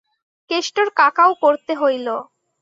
কেষ্টর কাকাও করতে কইল।